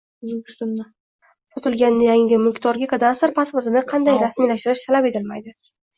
Sotilganda yangi mulkdorga kadastr pasportini qayta rasmiylashtirish talab etilmaydi